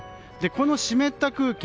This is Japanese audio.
この湿った空気